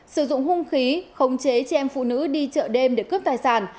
sử dụng hung khí khống chế em phụ nữ đi chợ đêm để cướp tài sản